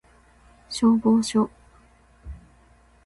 消防署